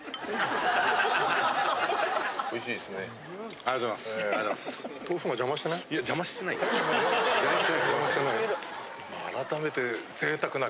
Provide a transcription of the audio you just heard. ・ありがとうございます・改めて。